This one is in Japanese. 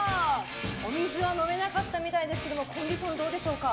お水は飲めなかったみたいですけどコンディションはどうでしょうか？